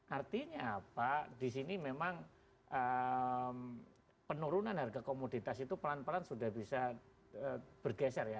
artinya apa di sini memang penurunan harga komoditas itu pelan pelan sudah bisa bergeser ya